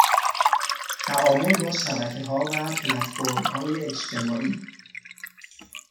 تعامل با شبکهها و پلتفرمهای اجتماعی